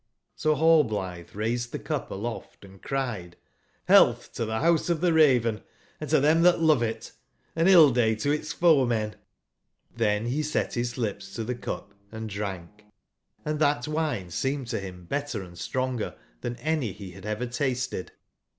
"So Rail blithe raised tbe cup aloft and cried: " Health to tbe Rouse of tbe Raven and to them that love it! an ill day to its focmen I " tibcn he set bis lips to the cup C3 21 and dranh ; and that wine seemed to bim better and stronger tban any be bad ever tasted.